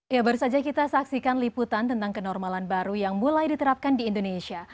ya baru saja kita saksikan liputan tentang kenormalan baru yang mulai diterapkan di indonesia